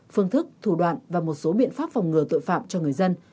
phương thức thủ đoạn và một số biện pháp phòng ngừa tội phạm cho người dân